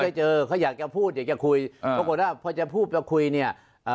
ไม่เคยเจอเขาอยากจะพูดอยากจะคุยปรากฏว่าพอจะพูดไปคุยเนี่ย